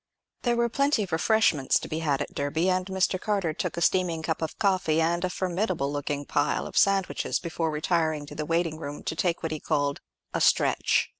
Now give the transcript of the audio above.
There were plenty of refreshments to be had at Derby, and Mr. Carter took a steaming cup of coffee and a formidable looking pile of sandwiches before retiring to the waiting room to take what he called "a stretch."